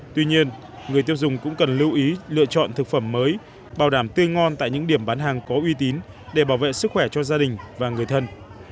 tuy nhiên người tiêu dùng cũng cần lưu ý lựa chọn thực phẩm mới bảo đảm tươi ngon tại những điểm bán hàng có uy tín để bảo vệ sức khỏe cho gia đình và người thân